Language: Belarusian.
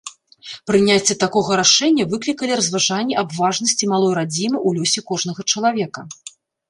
Прыняцце такога рашэння выклікалі разважанні аб важнасці малой радзімы ў лёсе кожнага чалавека.